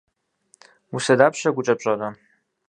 Усэ дапщэ гукӏэ пщӏэр?